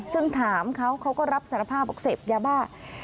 ซึ่งถามเขาเขาก็รับสารภาพบอกเสพยาบ้า